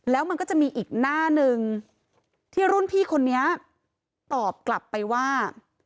แล้วมันก็จะมีอีกหน้าหนึ่งที่รุ่นพี่คนนี้ตอบกลับไปว่า